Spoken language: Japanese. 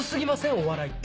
「お笑い」って。